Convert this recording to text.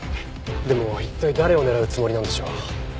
でも一体誰を狙うつもりなんでしょう？